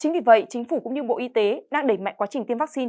chính vì vậy chính phủ cũng như bộ y tế đang đẩy mạnh quá trình tiêm vaccine